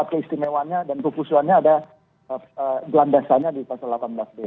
keistimewaannya dan kekhususannya ada gelandasannya di pasal delapan belas d